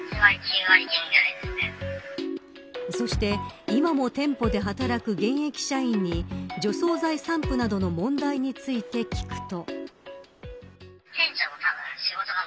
そして、今も店舗で働く現役社員に、除草剤散布などの問題について聞くと。